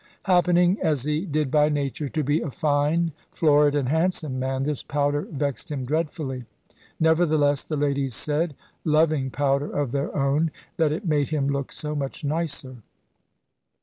Happening, as he did by nature, to be a fine, florid, and handsome man, this powder vexed him dreadfully. Nevertheless the ladies said, loving powder of their own, that it made him look so much nicer.